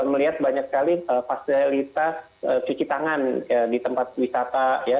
melihat banyak sekali fasilitas cuci tangan di tempat wisata ya